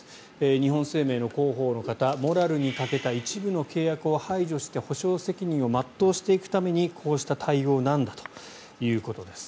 日本生命の広報の方モラルに欠けた一部の契約を排除して補償責任を全うしていくためにこうした対応なんだということです。